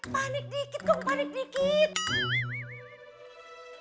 panik dikit kok panik dikit